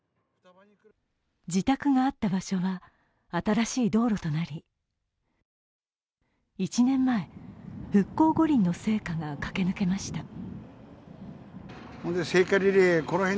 自宅があった場所は新しい道路となり、１年前、復興五輪の聖火が駆け抜けました。